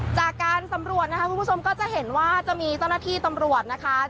จากการสำรวจนะคะคุณผู้ชมก็จะเห็นว่าจะมีเจ้าหน้าที่ตำรวจนะคะ